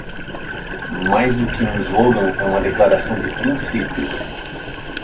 Mais do que um slogan, é uma declaração de princípios.